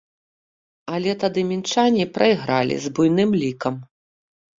Але тады мінчане прайгралі з буйным лікам.